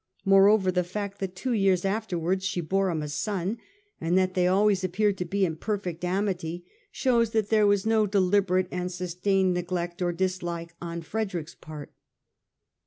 Moreover, the fact that two years after wards she bore him a son, and that they always appeared to be in perfect amity, shows that there was no deliberate and sustained neglect or dislike on Frederick's part.